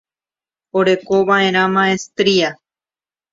Orekova'erã maestría.